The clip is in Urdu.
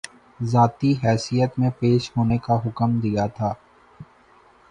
ذاتی حیثیت میں پیش ہونے کا حکم دیا تھا